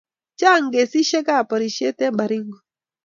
Chang kesishek ab porishet en Baringo